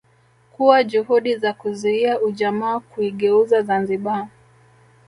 Kuwa juhudi za kuzuia ujamaa kuigeuza Zanzibar